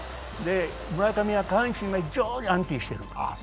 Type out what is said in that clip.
村上は下半身が非常に安定している。